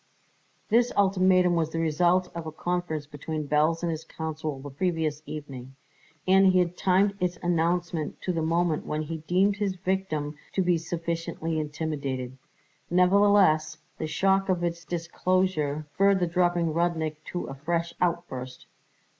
This ultimatum was the result of a conference between Belz and his counsel the previous evening, and he had timed its announcement to the moment when he deemed his victim to be sufficiently intimidated. Nevertheless, the shock of its disclosure spurred the drooping Rudnik to a fresh outburst.